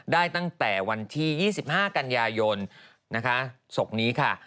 ได้ตั้งแต่วันที่๒๕กันยายนนะคะศพนี้ค่ะ